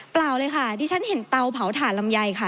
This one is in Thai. เปล่าเลยค่ะดิฉันเห็นเตาเผาถ่านลำไยค่ะ